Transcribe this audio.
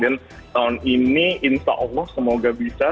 dan tahun ini insya allah semoga bisa